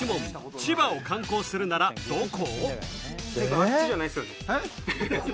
千葉を観光するならどこ？